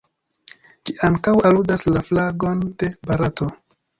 Ĝi ankaŭ aludas la flagon de Barato.